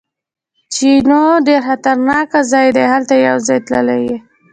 جینو: ډېر خطرناک ځای دی، هلته یو وخت تللی یې؟